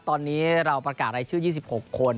ตอนนี้เราประกาศรายชื่อ๒๖คน